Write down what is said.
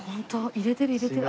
入れてる入れてる。